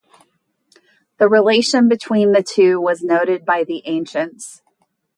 The relation between the two was noted by the ancients.